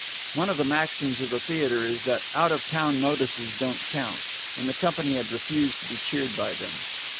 One of the maxims of the theatre is that "out of town notices don't count," and the company had refused to be cheered by them.